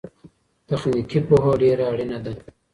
تخنيکي پوهه ډېره اړينه ده.